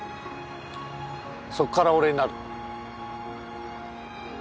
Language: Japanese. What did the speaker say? そこから俺になる。